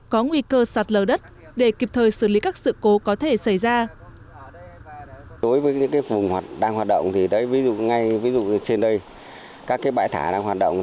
có nguy cơ sạt lờ đất để kịp thời xử lý các sự cố có thể xảy ra